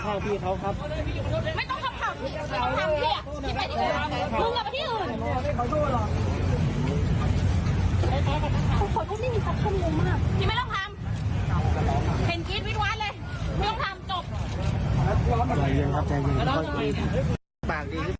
เขาดังพี่เขาเลยนะครับมาจูบผมก็อยู่ข้างพี่เขาครับ